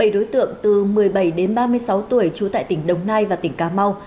bảy đối tượng từ một mươi bảy đến ba mươi sáu tuổi trú tại tỉnh đồng nai và tỉnh cà mau